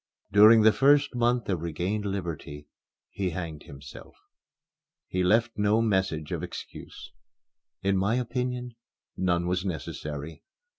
During the first month of regained liberty, he hanged himself. He left no message of excuse. In my opinion, none was necessary.